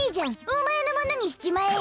おまえのものにしちまえよ。